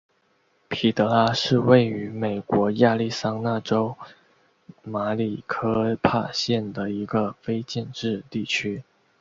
皮德拉是位于美国亚利桑那州马里科帕县的一个非建制地区。